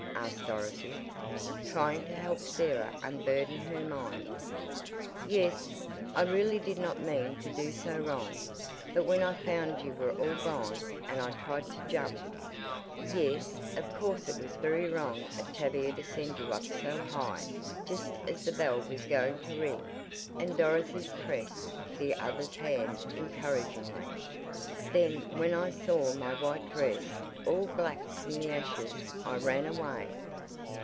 asked Dorothy, trying to help Sarah unburden her mind. "Yes. I really did not mean to do so wrong. But when I found you were all gone, and I tried to jump " "Yes, of course it was very wrong of Tavia to send you up so high just as the bell was going to ring," and Dorothy pressed the other's hand encouragingly. "Then when I saw my white dress, all black from the ashes, I ran away!"